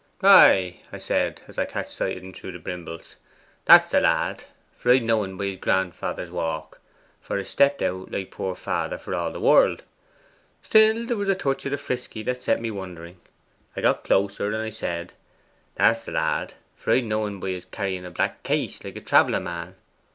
'"Ay," I said, as I catched sight o' en through the brimbles, "that's the lad, for I d' know en by his grand father's walk;" for 'a stapped out like poor father for all the world. Still there was a touch o' the frisky that set me wondering. 'A got closer, and I said, "That's the lad, for I d' know en by his carrying a black case like a travelling man."